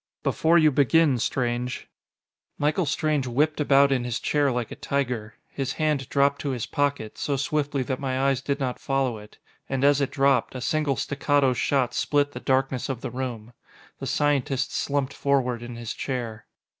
"Before you begin, Strange " Michael Strange whipped about in his chair like a tiger. His hand dropped to his pocket, so swiftly that my eyes did not follow it. And as it dropped, a single staccato shot split the darkness of the room. The scientist slumped forward in his chair.